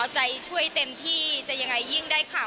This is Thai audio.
ช่วยเต็มที่จะยิ่งได้ค่ะ